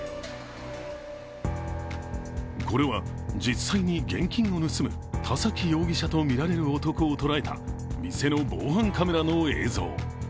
これは実際に現金を盗む田崎容疑者とみられる男を捉えた店の防犯カメラの映像。